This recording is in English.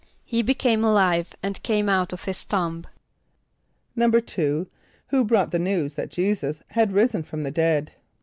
=He became alive and came out of his tomb.= =2.= Who brought the news that J[=e]´[s+]us had risen from the dead?